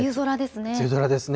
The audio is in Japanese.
梅雨空ですね。